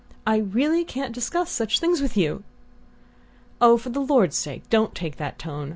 "I really can't discuss such things with you." "Oh, for the Lord's sake don't take that tone!